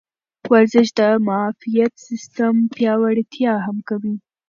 ورزش د معافیت سیستم پیاوړتیا هم کوي.